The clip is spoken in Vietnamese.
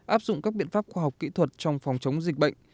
áp dụng các biện pháp khoa học kỹ thuật trong phòng chống dịch bệnh